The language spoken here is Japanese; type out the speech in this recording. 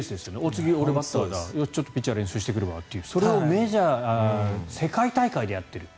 次、俺バッターだピッチャー練習してくるわとかそれを世界大会でやっている。